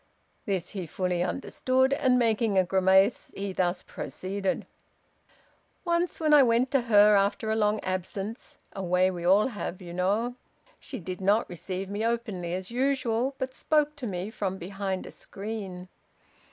This he fully understood, and, making a grimace, he thus proceeded: "Once when I went to her after a long absence a way we all have, you know she did not receive me openly as usual, but spoke to me from behind a screen.